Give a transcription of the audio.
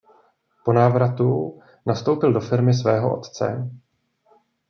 Po návratu nastoupil do firmy svého otce.